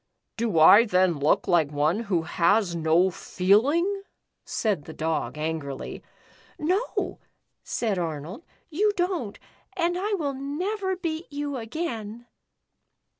" Do I then look like one who has no feel ing ?" said the Dog, angrily. "No," said Arnold, "you don't and I will never beat you again."